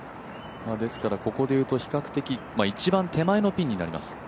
ここでいうと比較的一番手前のピンになります。